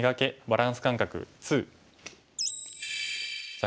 バランス感覚２」。